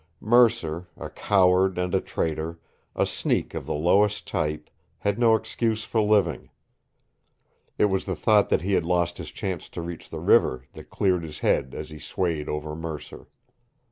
Mercer, a coward and a traitor, a sneak of the lowest type, had no excuse for living. It was the thought that he had lost his chance to reach the river that cleared his head as he swayed over Mercer.